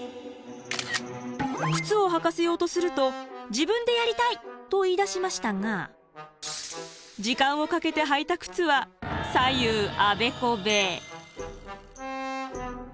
靴を履かせようとすると「自分でやりたい！」と言いだしましたが時間をかけて履いた靴は左右あべこべ。